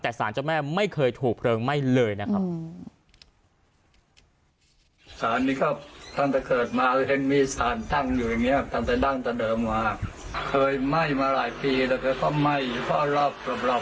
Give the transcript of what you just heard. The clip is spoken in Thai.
แต่สารเจ้าแม่ไม่เคยถูกเพลิงไหม้เลยนะครับ